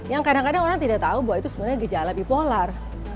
yang kadang kadang orang tidak tahu bahwa itu sebenarnya gejala bipolar